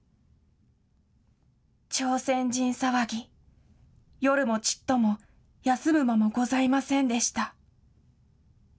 朝鮮人騒ぎ、夜もちっとも休む間もございませんでした。